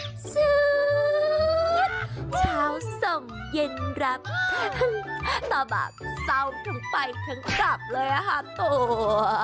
เช้าส้มเย็นรับต่อบาทเศร้าทั้งไปทั้งกลับเลยอาหารตัว